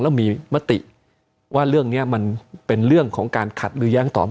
แล้วมีมติว่าเรื่องนี้มันเป็นเรื่องของการขัดหรือแย้งตอบ